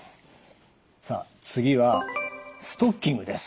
さあ次はストッキングです。